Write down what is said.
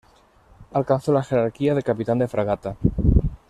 Alcanzó la jerarquía de Capitán de Fragata.